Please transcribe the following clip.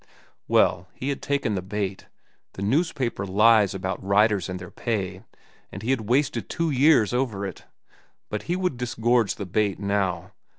Well, he had taken the bait, the newspaper lies about writers and their pay, and he had wasted two years over it. But he would disgorge the bait now.